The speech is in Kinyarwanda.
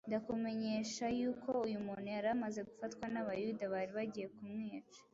Ndakumenyesha yuko uyu muntu yari amaze gufatwa n’Abayuda bari bagiye kumwica